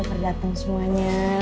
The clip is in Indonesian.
udah dateng semuanya